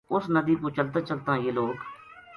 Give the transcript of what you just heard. اس ندی پو چلتاں چلتاں یہ لوک